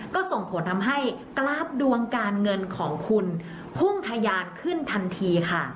ก็ส่งผลทำให้กราฟดวงการเงินของคุณพุ่งทะยานขึ้นทันทีค่ะ